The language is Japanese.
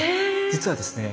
実はですね